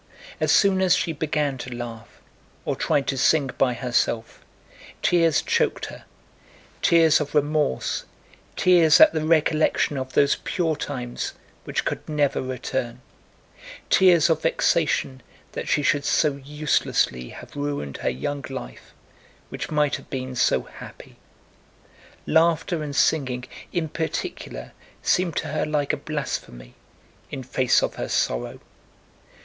As soon as she began to laugh, or tried to sing by herself, tears choked her: tears of remorse, tears at the recollection of those pure times which could never return, tears of vexation that she should so uselessly have ruined her young life which might have been so happy. Laughter and singing in particular seemed to her like a blasphemy, in face of her sorrow.